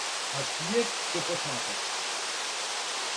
А свијет ће посматрати.